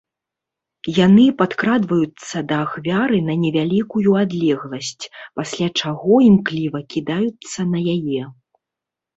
Яны падкрадваюцца да ахвяры на невялікую адлегласць, пасля чаго імкліва кідаюцца на яе.